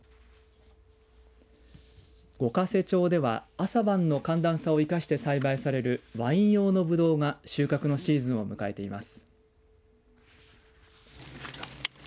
五ヶ瀬町では朝晩の寒暖差を生かして栽培されるワイン用のぶどうが収穫のシーズンを迎えています。